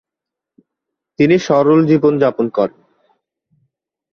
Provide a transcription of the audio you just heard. তিনি সরল জীবনযাপন করেন।